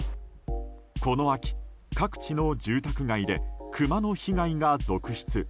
この秋、各地の住宅街でクマの被害が続出。